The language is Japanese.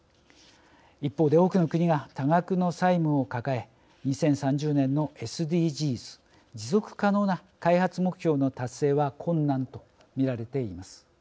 一方で、多くの国が多額の債務を抱え２０３０年のＳＤＧｓ＝持続可能な開発目標の達成は困難と見られています。